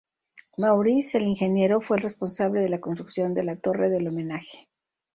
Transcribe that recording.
Maurice el Ingeniero fue el responsable de la construcción de la Torre del Homenaje.